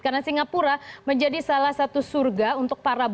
karena singapura menjadi salah satu surga untuk para buron